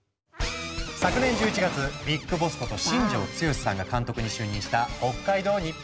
昨年１１月「ＢＩＧＢＯＳＳ」こと新庄剛志さんが監督に就任した北海道日本ハムファイターズ。